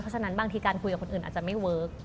เพราะฉะนั้นบางทีการคุยกับคนอื่นอาจจะไม่เวิร์ค